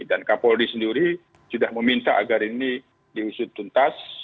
dan kapolri sendiri sudah meminta agar ini diusut tuntas